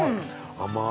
甘い！